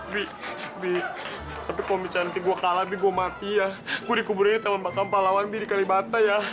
tapi kalau misalnya gua kalah gua mati ya gue dikuburin teman bakal lawan diri kalibata ya